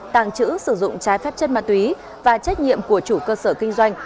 bằng chữ sử dụng trái phép chất ma túy và trách nhiệm của chủ cơ sở kinh doanh